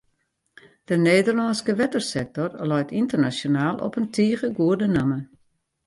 De Nederlânske wettersektor leit ynternasjonaal op in tige goede namme.